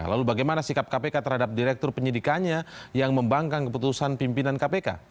lalu bagaimana sikap kpk terhadap direktur penyidikannya yang membangkang keputusan pimpinan kpk